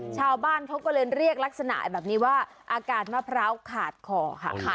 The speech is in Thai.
ชาวบ้านเขาก็เลยเรียกลักษณะแบบนี้ว่าอาการมะพร้าวขาดคอค่ะ